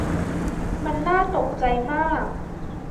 มันน่าตกใจมาก